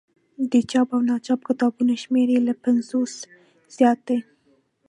د چاپ او ناچاپ کتابونو شمېر یې له پنځوسو زیات دی.